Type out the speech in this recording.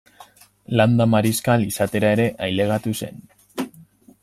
Landa-mariskal izatera ere ailegatu zen.